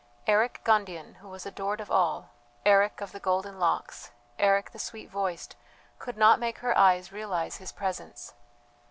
Eric Gundian, who was adored of all Eric of the golden locks, Eric the sweet voiced, could not make her eyes realize his presence.